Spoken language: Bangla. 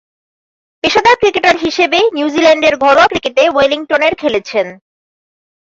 পেশাদার ক্রিকেটার হিসেবে নিউজিল্যান্ডের ঘরোয়া ক্রিকেটে ওয়েলিংটনের খেলেছেন।